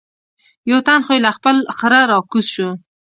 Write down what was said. یو تن خو یې له خپل خره را کوز شو.